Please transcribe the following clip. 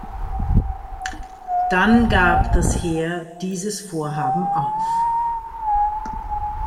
Dann gab das Heer dieses Vorhaben auf.